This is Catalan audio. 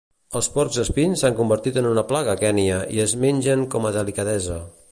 Els porc espins s'han convertit en una plaga a Kenya i es mengen com a delicadesa.